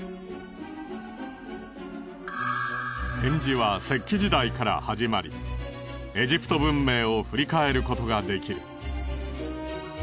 展示は石器時代から始まりエジプト文明を振り返ることができる。